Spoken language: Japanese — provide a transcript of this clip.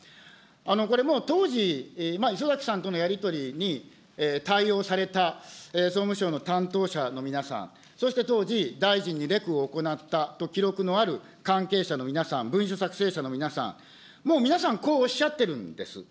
これもう、当時、礒崎さんとのやり取りに対応された総務省の担当者の皆さん、そして当時、大臣にレクを行ったと記録のある関係者の皆さん、文書作成者の皆さん、もう皆さん、こうおっしゃってるんです。